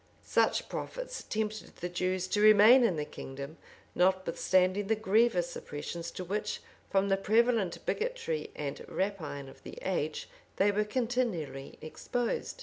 [] Such profits tempted the Jews to remain in the kingdom, notwithstanding the grievous oppressions to which, from the prevalent bigotry and rapine of the age, they were continually exposed.